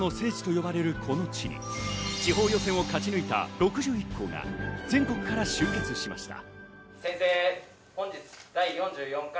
かるたの聖地と呼ばれるこの地に地方予選を勝ち抜いた６１校が全国から集結しました。